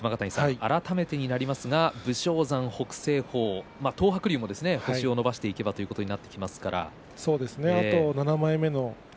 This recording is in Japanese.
改めてになりますが武将山、北青鵬と東白龍も星を伸ばしていけばということになってきますが。